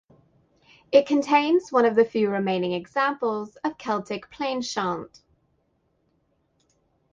It contains one of the few remaining examples of Celtic Plainchant.